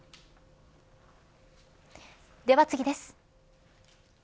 では次です。